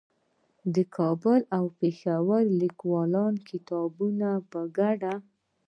د کابل او پېښور د ليکوالانو د کتابونو په ګډون